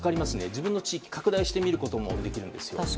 自分の地域を拡大して見ることもできるんです。